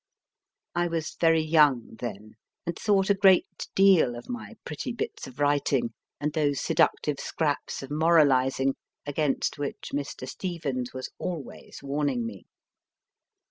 I was very young then, and thought a great deal of my pretty bits of writing and those seductive scraps of moralising, against which Mr. Stevens was always warning me.